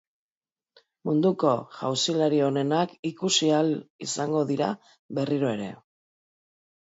Munduko jauzilari onenak ikusi ahal izango dira berriro ere.